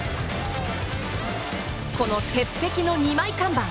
この鉄壁の２枚看板！